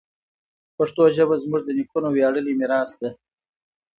پښتو ژبه زموږ د نیکونو ویاړلی میراث ده.